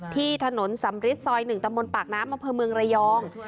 ที่ถนนสำริทซอย๑ตำบลปากน้ำอำเภอเมืองระยอง